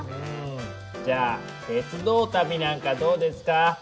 じゃあ鉄道旅なんかどうですか？